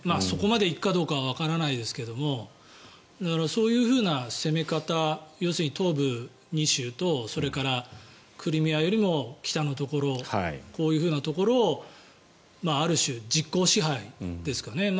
そこまで行くかどうかわからないですけれどもそういうふうな攻め方要するに東部２州とそれからクリミアよりも北のところこういうふうなところをある種、実効支配ですかね。